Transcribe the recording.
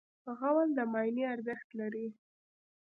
غول د معاینې ارزښت لري.